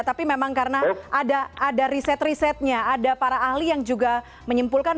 tapi memang karena ada riset risetnya ada para ahli yang juga menyimpulkan